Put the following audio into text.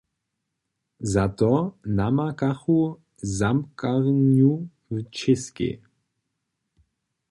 Za to namakachu zamkarnju w Čěskej.